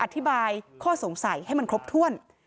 อธิบายข้อสงสัยให้มันครบถ้วน